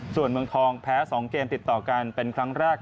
ส่วนเมืองทองแพ้๒เกมติดต่อกันเป็นครั้งแรก